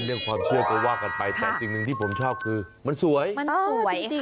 เรื่องความเชื่อก็ว่ากันไปแต่จริงหนึ่งที่ผมชอบคือมันสวย